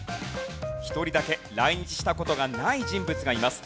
１人だけ来日した事がない人物がいます。